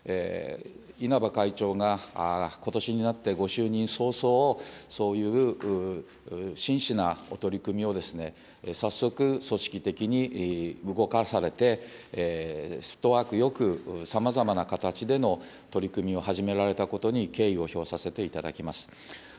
稲葉会長がことしになって、ご就任早々、そういう真摯なお取り組みをですね、早速組織的に動かされて、フットワークよく、さまざまな形での取り組みを始められたことに、敬意を表させていただきます。